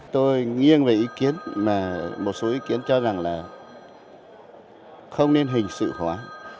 tôi nghiêng về ý kiến mà một số ý kiến cho rằng là không nên hình sự hóa